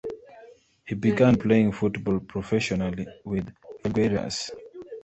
He began playing football professionally with Felgueiras.